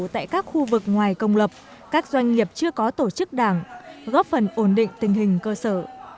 tại các khu vực ngoài công lập các doanh nghiệp chưa có tổ chức đảng góp phần ổn định tình hình cơ sở